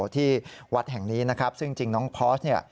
ที่วัดแห่งนี้นะครับซึ่งจริงน้องพอสเนี่ย